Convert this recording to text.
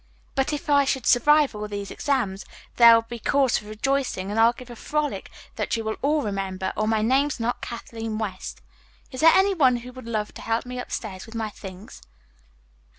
But if I should survive all these exams, there will be cause for rejoicing and I'll give a frolic that you will all remember, or my name's not Kathleen West. Is there any one who would love to help me upstairs with my things?"